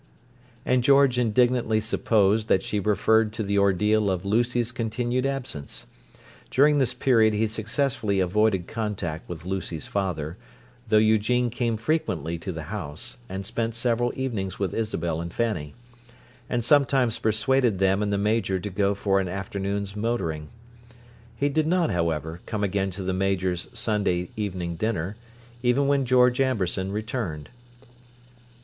And George indignantly supposed that she referred to the ordeal of Lucy's continued absence. During this period he successfully avoided contact with Lucy's father, though Eugene came frequently to the house, and spent several evenings with Isabel and Fanny; and sometimes persuaded them and the Major to go for an afternoon's motoring. He did not, however, come again to the Major's Sunday evening dinner, even when George Amberson returned.